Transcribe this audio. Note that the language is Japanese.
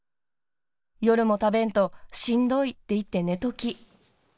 夜も食べんとしんどいって言って寝とき。